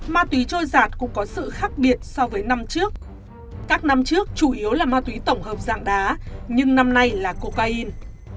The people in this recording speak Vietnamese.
ma túy trôi giạt cũng có sự khác biệt so với năm trước các năm trước chủ yếu là ma túy tổng hợp dạng đá nhưng năm nay là cocaine